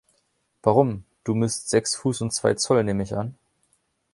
Warum, du misst sechs Fuß und zwei Zoll, nehme ich an?